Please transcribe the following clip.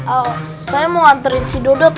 ee saya mau anterin si dodot